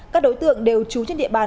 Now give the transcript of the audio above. các đối tượng đều trú trên địa bàn